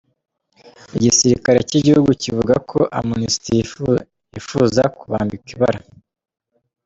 Igisirikare c'igihugu kivuga ko "Amnestie" yipfuza kubambika ibara.